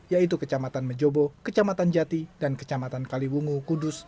yaitu kecamatan mejobo kecamatan jati dan kecamatan kalibungu kudus